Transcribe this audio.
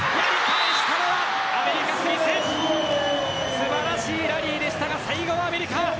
素晴らしいラリーでしたが最後はアメリカ。